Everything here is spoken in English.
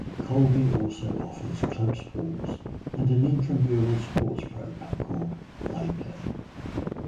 Colby also offers club sports and an intramural sports program called I-Play.